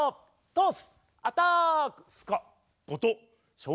トス！